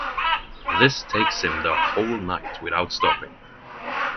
This takes him the whole night without stopping.